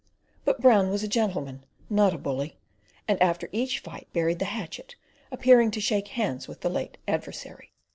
But Brown was a gentleman, not a bully, and after each fight buried the hatchet, appearing to shake hands with his late adversary.